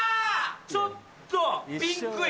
ちょっとピンクい！